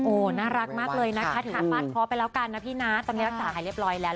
โอ้โหน่ารักมากเลยนะคะทานฟาดเคราะห์ไปแล้วกันนะพี่นะตอนนี้รักษาหายเรียบร้อยแล้ว